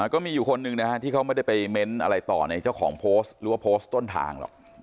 ก็มีอยู่คนหนึ่งนะฮะที่เขาไม่ได้ไปเม้นต์อะไรต่อในเจ้าของโพสต์หรือว่าโพสต์ต้นทางหรอก